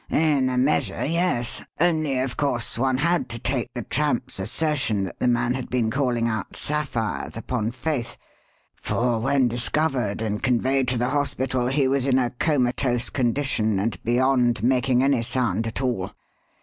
"In a measure, yes. Only, of course, one had to take the tramp's assertion that the man had been calling out 'Sapphires' upon faith, for when discovered and conveyed to the hospital, he was in a comatose condition and beyond making any sound at all.